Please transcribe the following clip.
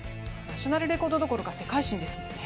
ナショナルレコードどころか世界新ですからね。